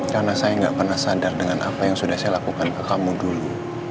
karena saya gak pernah sadar dengan apa yang sudah saya lakukan ke kamu dulu